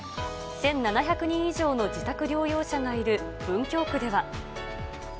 １７００人以上の自宅療養者がいる文京区では。